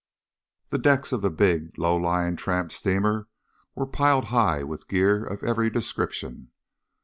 The decks of the big, low lying tramp steamer were piled high with gear of every description.